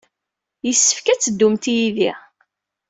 Yessefk ad d-teddumt yid-i.